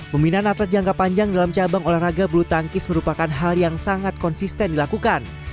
peminat atlet jangka panjang dalam cabang olahraga bulu tangkis merupakan hal yang sangat konsisten dilakukan